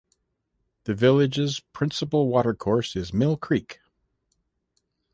The village's principal watercourse is Mill Creek.